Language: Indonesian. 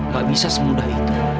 gak bisa semudah itu